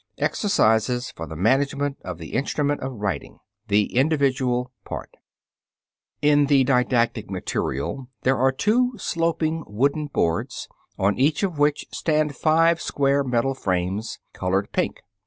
Exercises for the Management of the Instrument of Writing (THE INDIVIDUAL PART) In the didactic material there are two sloping wooden boards, on each of which stand five square metal frames, colored pink.